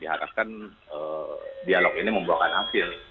diharapkan dialog ini membuatkan api